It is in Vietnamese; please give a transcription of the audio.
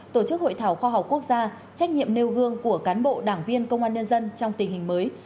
tổ chức hội thảo khoa học quốc gia trách nhiệm nêu gương của cán bộ đảng viên công an nhân dân trong tình hình mới